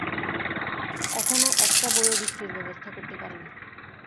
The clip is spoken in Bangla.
এখনো একটা বইও বিক্রির ব্যবস্থা করতে পারিনি।